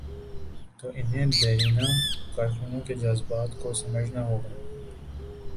تو انہیں دیرینہ کارکنوں کے جذبات کو سمجھنا ہو گا۔